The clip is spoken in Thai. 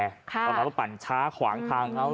แล้วก็ปั่นช้าขวางทางเขา